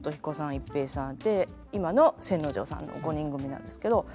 逸平さんで今の千之丞さんの５人組なんですけど。